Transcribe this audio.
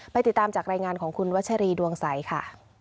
ติดตามจากรายงานของคุณวัชรีดวงใสค่ะ